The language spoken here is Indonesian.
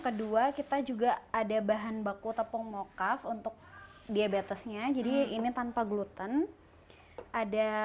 kedua kita juga ada bahan baku tepung mocav untuk diabetesnya jadi ini tanpa gluten ada